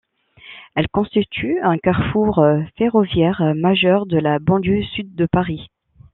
Elle constitue un carrefour ferroviaire majeur de la banlieue sud de Paris.